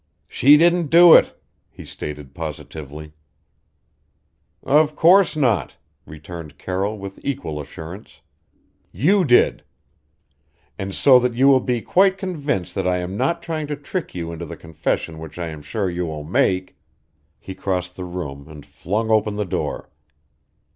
"She didn't do it," he stated positively. "Of course not," returned Carroll with equal assurance. "You did! And so that you will be quite convinced that I am not trying to trick you into the confession which I am sure you will make " He crossed the room and flung open the door.